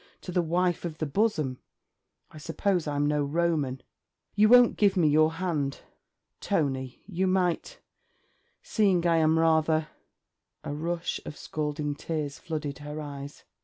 to the wife of the bosom! I suppose I'm no Roman. You won't give me your hand? Tony, you might, seeing I am rather...' A rush of scalding tears flooded her eyes.